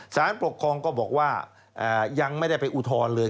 สารปกครองก็บอกว่ายังไม่ได้ไปอุทธรณ์เลย